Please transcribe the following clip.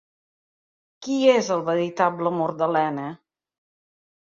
Qui és el veritable amor d'Elena?